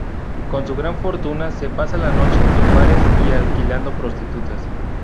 Con su gran fortuna se pasa la noche en bares y alquilando prostitutas.